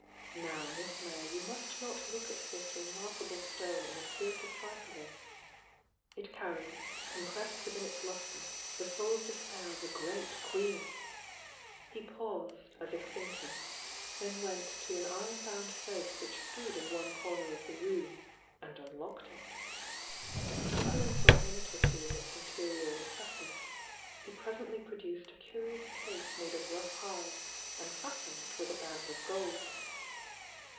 Now, Miss May, you must not look at this remark able stone in a spirit of trifling — it carries, com pressed within its lustre the soul's despair of a great Queen!" He paused, as if thinking, — then went to an iron bound safe which stood in one comer of the room, and unlocked it. Fumbling for a minute or two in its interior recesses, he presently produced a curious case made of rough hide and fastened with a band of gold.